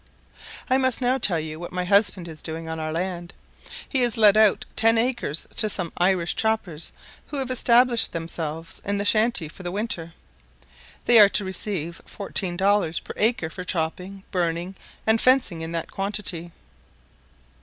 I must now tell you what my husband is doing on our land. He has let out ten acres to some Irish choppers who have established themselves in the shanty for the winter. They are to receive fourteen dollars per acre for chopping, burning, and fencing in that quantity.